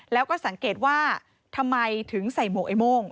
แล้วก็สังเกตว่าทำไมถึงใส่หมวกไอ้โม่ง